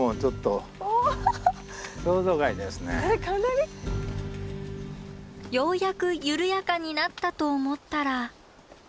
いやようやく緩やかになったと思ったら。